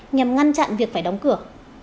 nhằm ngăn chặn việc phải đóng cửa